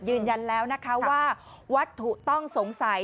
ยืนยันแล้วนะคะว่าวัตถุต้องสงสัย